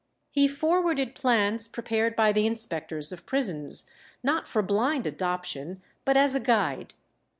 He forwarded plans prepared by the inspectors of prisons, not for blind adoption, but as a guide.